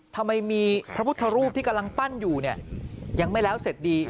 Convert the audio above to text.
ทำไมมีพระพุทธรูปที่กำลังปั้นอยู่เนี่ยยังไม่แล้วเสร็จดี